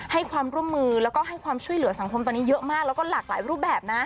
ให้ความร่วมมือแล้วก็ให้ความช่วยเหลือสังคมตอนนี้เยอะมากแล้วก็หลากหลายรูปแบบนะ